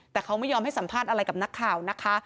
แต่เขาไม่ยอมให้สัมภาษณ์อะไรกับนักข่าวนะคะ